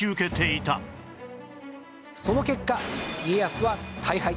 その結果家康は大敗。